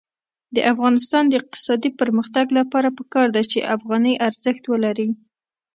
د افغانستان د اقتصادي پرمختګ لپاره پکار ده چې افغانۍ ارزښت ولري.